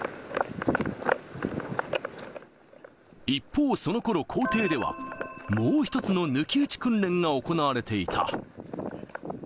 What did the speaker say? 一方、そのころ校庭では、もう一つの抜き打ち訓練が行われていた。